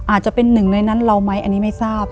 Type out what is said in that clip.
อาจจะเป็นหนึ่งในนั้นเราไหมอันนี้ไม่ทราบ